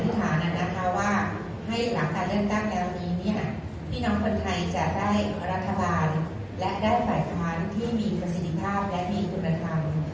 ว่าให้หลังการเลือกตั้งแล้วนี้เนี่ยพี่น้องคนไทยจะได้รัฐบาลและได้ฝ่ายค้านที่มีประสิทธิภาพและมีคุณธรรม